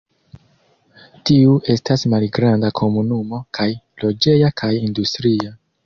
Tiu estas malgranda komunumo kaj loĝeja kaj industria.